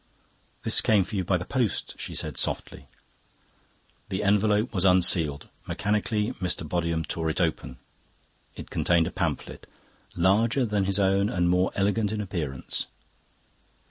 "This came for you by the post," she said softly. The envelope was unsealed. Mechanically Mr. Bodiham tore it open. It contained a pamphlet, larger than his own and more elegant in appearance.